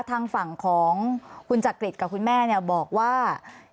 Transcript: ทางฝั่งของคุณจักริตกับคุณแม่บอกว่า